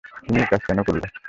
তুমি একাজ কেন করলে?